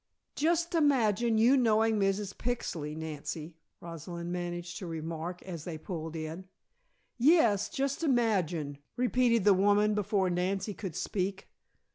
"Just imagine you knowing Mrs. Pixley, Nancy," Rosalind managed to remark as they pulled in. "Yes, just imagine!" repeated the woman before Nancy could speak.